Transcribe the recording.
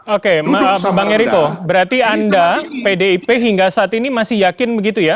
oke bang eriko berarti anda pdip hingga saat ini masih yakin begitu ya